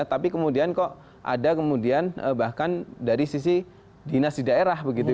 tapi kemudian kok ada kemudian bahkan dari sisi dinas di daerah begitu